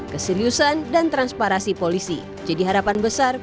keseriusan dan transparasi polisi jadi harapan besar